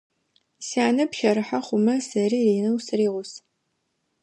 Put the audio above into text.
Сянэ пщэрыхьэ хъумэ, сэри ренэу сыригъус.